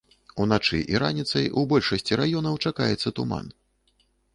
Уначы і раніцай у большасці раёнаў чакаецца туман.